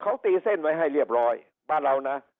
เขาตีเส้นไว้ให้เรียบร้อยบ้านเรานะ